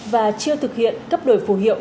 và chưa thực hiện cấp đổi phù hiệu